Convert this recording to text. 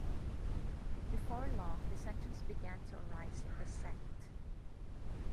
Before long dissensions began to arise in the sect.